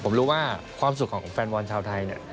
ผมรู้ว่าความสุขของแฟนบอลชาวไทยเนี่ย